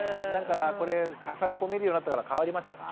これたくさん見るようになってから変わりましたか？